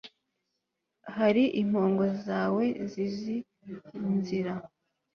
ahari impongo zawe zizi inzira